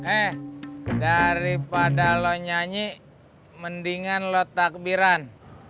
eh daripada lo nyanyi mendingan lo takbiran